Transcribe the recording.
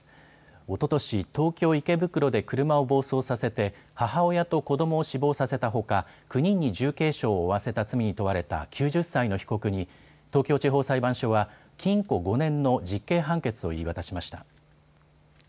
おととし東京池袋で車を暴走させて母親と子どもを死亡させたほか９人に重軽傷を負わせた罪に問われた９０歳の被告に東京地方裁判所は禁錮５年の実刑判決を言い渡しました。